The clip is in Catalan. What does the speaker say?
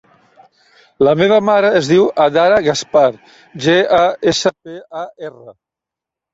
La meva mare es diu Adhara Gaspar: ge, a, essa, pe, a, erra.